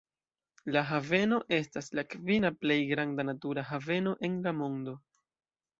La haveno estas la kvina plej granda natura haveno en la mondo.